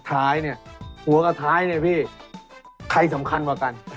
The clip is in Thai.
เล่นเด็กเล่นปีสามเก้า